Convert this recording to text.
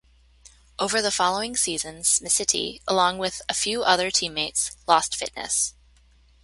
Over the following seasons, Misiti-along with a few other teammates-lost fitness.